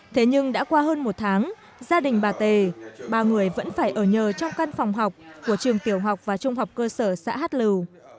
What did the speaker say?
thế nhưng đã qua hơn một tháng gia đình bà tề ba người vẫn phải ở nhờ trong căn phòng học của trường tiểu học và trung học cơ sở xã hát lưu